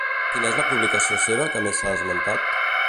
Quina és la publicació seva que més s'ha esmentat?